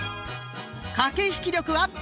「駆け引き力アップ！